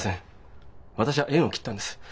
私は縁を切ったんです。